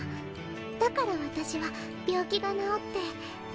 だから私は病気が治って。